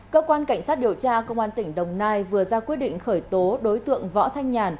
cơ quan cảnh sát điều tra công an tỉnh đồng nai vừa ra quyết định khởi tố đối tượng võ thanh nhàn